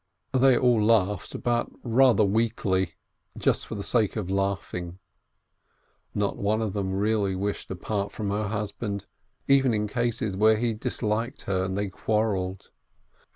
WOMEN 469 They all laughed, but rather weakly, just for the sake of laughing; not one of them really wished to part from her husband, even in cases where he disliked her, and they quarrelled.